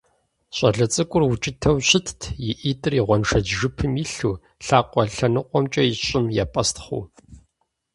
ЩӀалэ цӀыкӀур укӀытэу щытт, и ӀитӀыр и гъуэншэдж жыпым илъу, лъакъуэ лъэныкъуэмкӀэ щӀым епӀэстхъыу.